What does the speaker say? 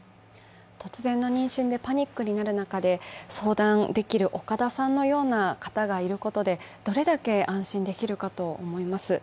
突然の妊娠でパニックになる中で、相談できる岡田さんのような方がいることでどれだけ安心できるかと思います。